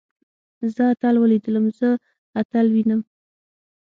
زه اتل وليدلم. زه اتل وينم.